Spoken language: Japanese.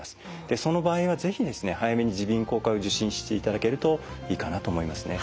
その場合は是非早めに耳鼻咽喉科を受診していただけるといいかなと思いますね。